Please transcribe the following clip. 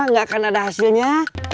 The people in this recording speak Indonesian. nggak akan ada hasilnya